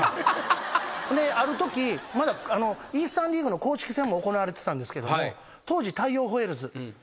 あるときまだイースタンリーグの公式戦が行われてたんですけど当時大洋ホエールズ。